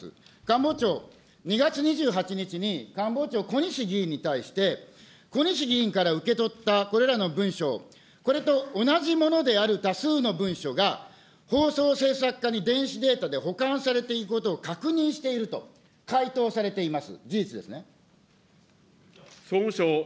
官房長、２月２８日に官房長、小西議員に対して、小西議員から受け取ったこれらの文書、これと同じものである多数の文書が、放送せいさく課に電子データで保管されていることを確認していると回答されています。